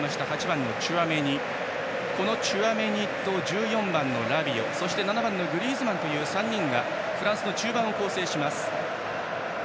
チュアメニと１４番、ラビオそして７番のグリーズマンという３人がフランスの中盤を構成します。